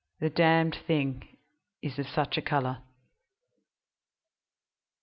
the Damned Thing is of such a color!"